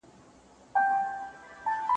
هغې د چای پیاله په میز کې کېښوده.